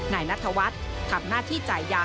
นายนัทวัฒน์ทำหน้าที่จ่ายยา